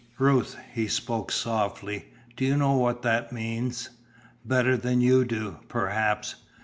'" "Ruth," he spoke softly, "Do you know what that means?" "Better than you do, perhaps."